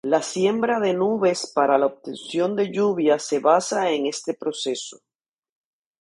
La siembra de nubes para la obtención de lluvia se basa en este proceso.